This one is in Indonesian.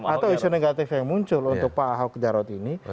atau isu negatif yang muncul untuk pak ahok jarot ini